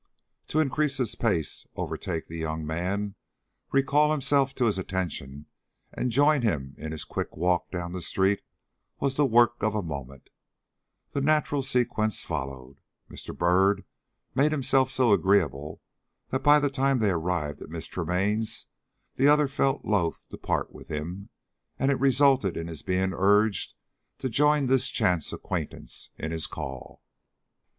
To increase his pace, overtake the young man, recall himself to his attention, and join him in his quick walk down the street, was the work of a moment. The natural sequence followed. Mr. Byrd made himself so agreeable that by the time they arrived at Miss Tremaine's the other felt loath to part with him, and it resulted in his being urged to join this chance acquaintance in his call.